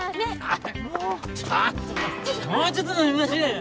もうちょっともうちょっと飲みましょうよ。